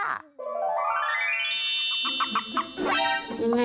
ยังไง